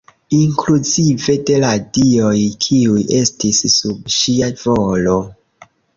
Inkluzive de la dioj kiuj estis sub ŝia volo.